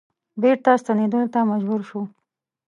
بیرته ستنیدلو ته مجبور شو.